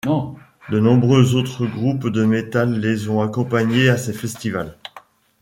De nombreux autres groupes de metal les ont accompagné à ces festivals.